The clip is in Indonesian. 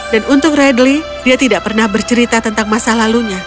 dan untuk radley dia tidak pernah bercerita tentang masa lalunya